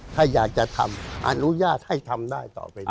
ถ้าอยากจะทำอนุญาตให้ทำได้ต่อไปนี้